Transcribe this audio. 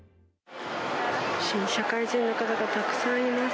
新社会人の方がたくさんいます。